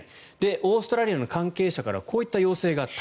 オーストラリアの関係者からはこういった要請があった。